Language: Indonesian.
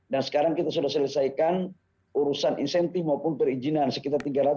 dan sekarang kita sudah selesaikan urusan insentif maupun perizinan sekitar rp tiga ratus empat ratus juta usd